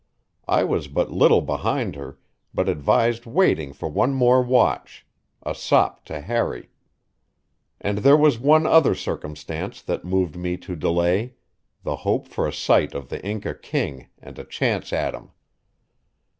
I was but little behind her, but advised waiting for one more watch a sop to Harry. And there was one other circumstance that moved me to delay the hope for a sight of the Inca king and a chance at him.